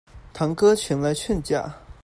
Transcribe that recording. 堂哥前來勸架